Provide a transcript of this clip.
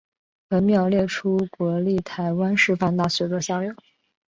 本表列出国立台湾师范大学的校友。